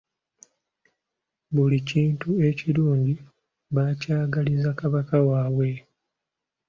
Buli kintu ekirungi bakyagaliza Kabaka waabwe.